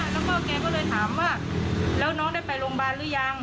แล้วก็แกก็เลยถามว่าแล้วน้องได้ไปโรงพยาบาลหรือยัง